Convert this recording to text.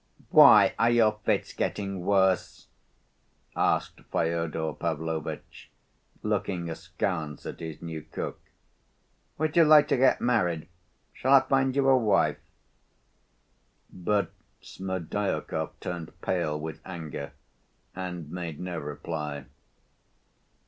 "Why are your fits getting worse?" asked Fyodor Pavlovitch, looking askance at his new cook. "Would you like to get married? Shall I find you a wife?" But Smerdyakov turned pale with anger, and made no reply.